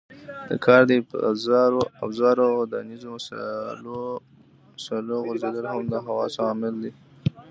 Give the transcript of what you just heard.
د کار د افزارو او ودانیزو مسالو غورځېدل هم د حوادثو عامل دی.